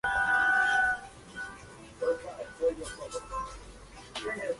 Esa temporada volvió a conquistar el título de Liga.